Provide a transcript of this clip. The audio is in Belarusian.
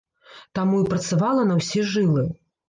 Таму і працавала на ўсе жылы.